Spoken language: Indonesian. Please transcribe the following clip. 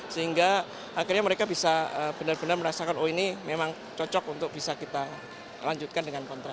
sehingga akhirnya mereka bisa benar benar merasakan oh ini memang cocok untuk bisa kita lanjutkan dengan kontrak